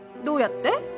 どうやって？